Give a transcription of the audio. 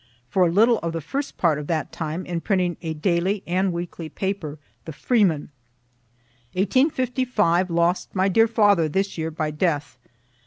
(For a little of the first part of that time in printing a daily and weekly paper, "the Freeman.") '55, lost my dear father this year by death.